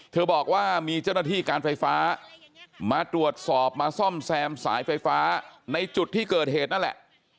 บอกว่ามีเจ้าหน้าที่การไฟฟ้ามาตรวจสอบมาซ่อมแซมสายไฟฟ้าในจุดที่เกิดเหตุนั่นแหละ